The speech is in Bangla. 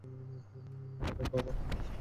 আরে বাবা খেয়েছো?